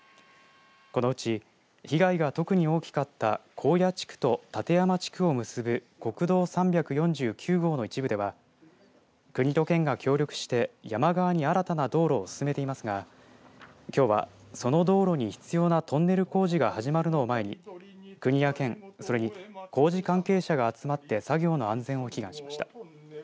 このうち被害が特に大きかった耕野地区と舘矢間地区を結ぶ国道３４９号の一部では国と県が協力して山側に新たな道路を進めていますがきょうは、その道路に必要なトンネル工事が始まるのを前に国や県それに工事関係者が集まって作業の安全を祈願しました。